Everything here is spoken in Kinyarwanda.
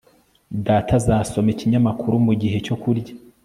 data azasoma ikinyamakuru mugihe cyo kurya .